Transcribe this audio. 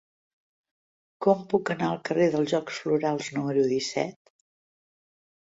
Com puc anar al carrer dels Jocs Florals número disset?